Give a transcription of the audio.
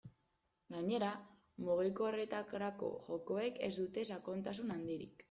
Gainera, mugikorretarako jokoek ez dute sakontasun handirik.